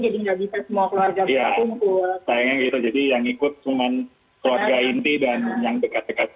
jadi yang ikut cuma keluarga inti dan yang dekat dekat saja